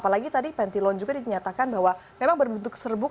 apalagi tadi pentilon juga dinyatakan bahwa memang berbentuk serbuk